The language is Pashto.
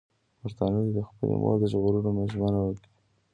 پښتانه دې د خپلې مور د ژغورلو ژمنه وکړي.